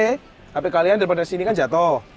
hp kalian daripada sini kan jatoh